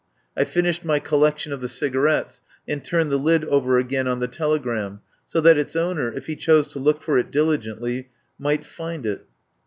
I finished my collection of the cigarettes, and turned the lid over again on the telegram, so that its owner, if he chose to look for it diligently, migKi find it.